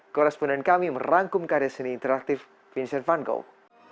korresponden kami merangkum karya seni interaktif vincent van gogh